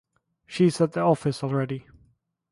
She is at the office already.